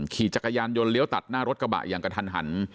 ขี่จักรยานยนต์เลี้ยวตัดหน้ารถกระบะอย่างกระทันหัน